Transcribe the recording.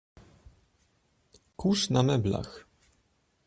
"Kurz na meblach."